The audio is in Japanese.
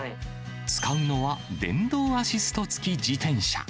使うのは電動アシスト付き自転車。